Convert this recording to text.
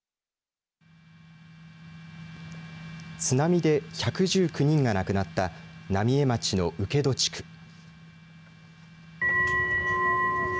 津波で１１９人が亡くなった浪江町の請戸地区。